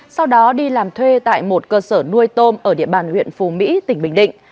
sau đó đi làm thuê tại một cơ sở nuôi tôm ở địa bàn huyện phù mỹ tỉnh bình định